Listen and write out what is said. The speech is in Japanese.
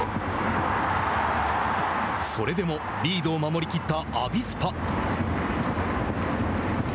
それでもリードを守り切ったアビスパ。